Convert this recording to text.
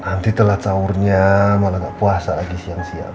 nanti telah sahurnya malah gak puasa lagi siang siang